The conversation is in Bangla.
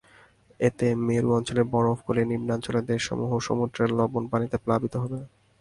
এতে মেরু অঞ্চলের বরফ গলে নিম্নাঞ্চলের দেশসমূহ সমুদ্রের লোনা পানিতে প্লাবিত হবে।